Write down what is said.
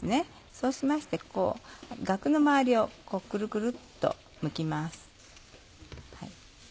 そうしましてガクの周りをクルクルっとむきます。